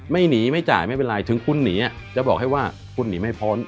ไม่หนีไม่จ่ายไม่เป็นไรถึงคุณหนีจะบอกให้ว่าคุณหนีไม่พ้น